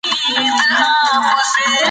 هر کلتور ځانګړي ارزښتونه لري.